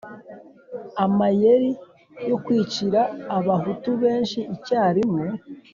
amayeri yo kwicira abahutu benshi icyarimwe